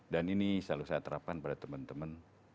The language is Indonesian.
dan ini selalu saya terapkan pada temen temen